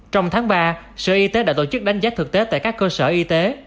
trong tháng ba sở y tế đã tổ chức đánh giá thực tế tại các cơ sở y tế